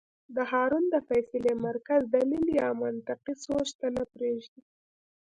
دا هارمون د فېصلې مرکز دليل يا منطقي سوچ ته نۀ پرېږدي -